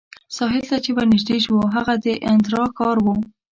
ساحل ته چې ورنژدې شوو، هغه د انترا ښار وو.